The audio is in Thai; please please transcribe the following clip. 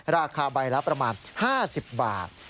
ราคาใบละประมาณ๕๐บาท